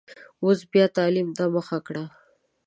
اوس بیا تعلیم ته مخه کړه.